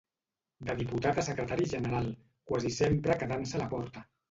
De diputat a secretari general, quasi sempre quedant-se a la porta.